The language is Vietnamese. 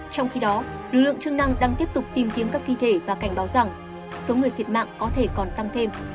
trong khi đó lực lượng chức năng đang tiếp tục tìm kiếm các thi thể và cảnh báo rằng số người thiệt mạng có thể còn tăng thêm